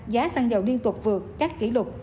giá xăng dầu liên tục vượt các kỷ lục